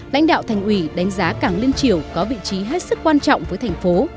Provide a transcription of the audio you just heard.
lãnh đạo thành ủy đánh giá cảng liên triều có vị trí hết sức quan trọng với thành phố